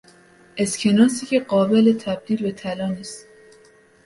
اسکناسی که قابل تبدیل به طلا نیست